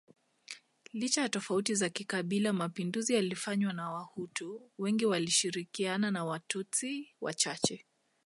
licha ya tofauti za kikabila mapinduzi yalifanywa na Wahutu wengi wakishirikiana na Watutsi wachache